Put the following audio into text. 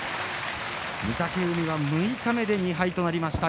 御嶽海は六日目で２敗となりました。